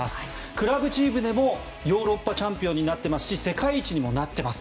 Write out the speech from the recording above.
クラブチームでもヨーロッパチャンピオンになっていますし世界一にもなっています。